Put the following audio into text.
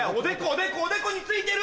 おでこおでこに付いてる！